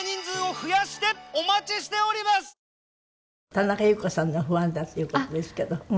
田中裕子さんのファンだという事ですけど。